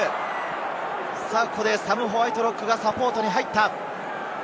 サム・ホワイトロックがサポートに入った。